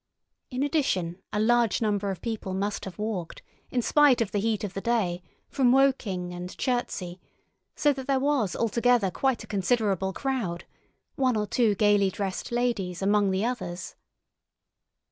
In addition, a large number of people must have walked, in spite of the heat of the day, from Woking and Chertsey, so that there was altogether quite a considerable crowd—one or two gaily dressed ladies among the others.